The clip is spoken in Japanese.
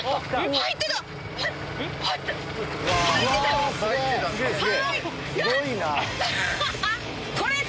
入ってた！